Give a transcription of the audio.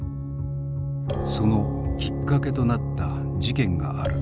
そのきっかけとなった事件がある。